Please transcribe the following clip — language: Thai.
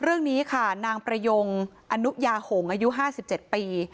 เรื่องนี้ค่ะนางประยงอนุญาหงอายุ๕๗ปี